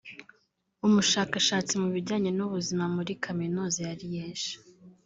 Umushakashatsi mu bijyanye n’ubuzima muri Kaminuza ya Liège